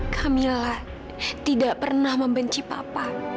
kamilah tidak pernah membenci papa